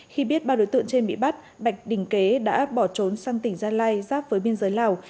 khi biết ba đối tượng trên bị bắt bạch đình kế đã bỏ trốn sang tỉnh gia lai giáp với biên giới lào